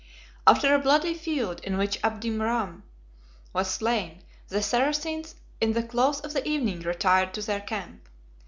After a bloody field, in which Abderame was slain, the Saracens, in the close of the evening, retired to their camp.